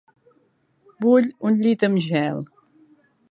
Vull un llit amb gel.